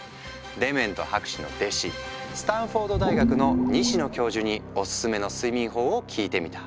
デメント博士の弟子スタンフォード大学の西野教授におすすめの睡眠法を聞いてみた。